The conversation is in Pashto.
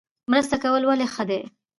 مرسته کول ولې ښه دي؟